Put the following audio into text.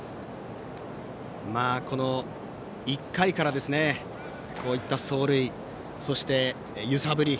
この１回からこういった走塁そして、揺さぶり。